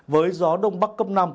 với gió đông bắc cấp năm